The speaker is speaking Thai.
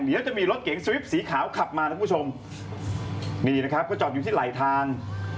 เดี๋ยวจะมีรถเก๋งสวิปสีขาวขับมานะคุณผู้ชมนี่นะครับก็จอดอยู่ที่ไหลทาง